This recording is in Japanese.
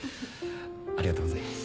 ありがとうございます。